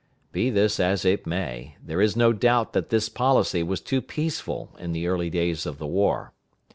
Be this as it may, there is no doubt that his policy was too peaceful in the early days of the war.